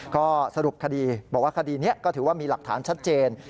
ก็สรุปคดีบอกว่าคดีนี้ก็ถือว่ามีหลักฐานชัดเจน